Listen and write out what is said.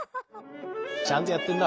ちゃんとやってんな。